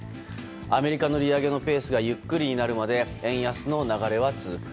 アメリカの利上げのペースがゆっくりになるまで円安の流れは続く。